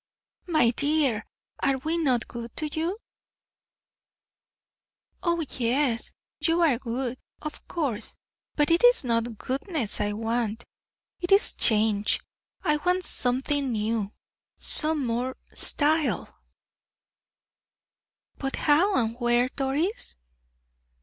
"My dear, are we not good to you?" "Oh, yes, you are good, of course; but it is not goodness I want; it is change; I want something new some more style." "But how and where, Doris?"